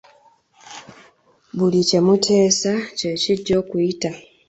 Buli kye muteesa kye kijja okuyita.